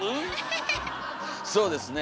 そうですね。